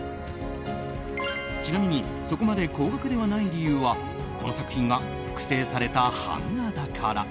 ちなみに、そこまで高額ではない理由はこの作品が複製された版画だから。